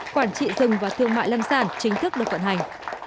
quản trị rừng và thương mại lâm sản chính thức được vận hành